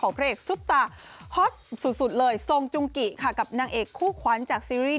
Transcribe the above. พระเอกซุปตาฮอตสุดเลยทรงจุงกิค่ะกับนางเอกคู่ขวัญจากซีรีส